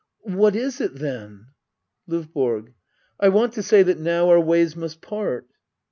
What is it then ? LOVBORO. I want to say that now our ways must part.